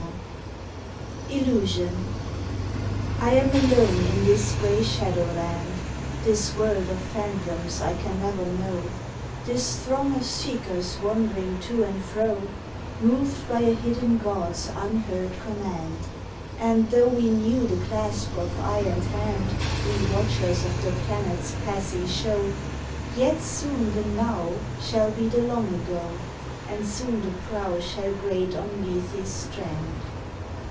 74 ILLUSION I am alone in this grey shadowland, This world of phantoms I can never know, This throng of seekers wandering to and fro, Moved by a hidden god s unheard command; And tho we knew the clasp of eye and hand, We watchers of the planet s passing show, Yet soon the "now" Shall be the "long ago," And soon the prow shall grate on Lethe s strand.